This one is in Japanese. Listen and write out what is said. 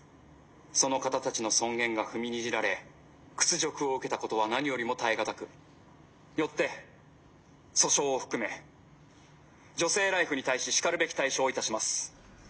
その方たちの尊厳が踏みにじられ屈辱を受けたことは何よりも耐え難くよって訴訟を含め『女性ＬＩＦＥ』に対ししかるべき対処をいたします。